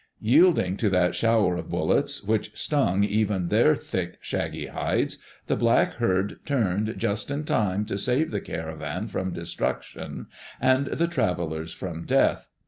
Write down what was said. Yielding to that shower of bullets, which stung even their thick, shaggy hides, the black herd turned just in time to save the caravan from destruction, and the trav elers from death.